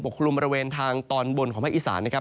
ปกครุมบริเวณทางตอนบนของพระอิสรันนะครับ